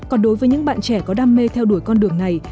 còn đối với những bạn trẻ có đam mê theo đuổi con đường này